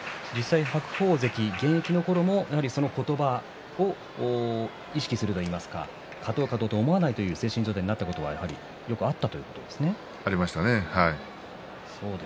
白鵬関、現役のころもその言葉を意識するといいますか勝とう勝とうと思わないという精神状態になったことがありましたね。